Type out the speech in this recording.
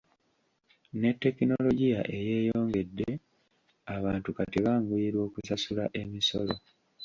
Ne tekinologiya eyeeyongedde, abantu kati banguyirwa okusasula emisolo.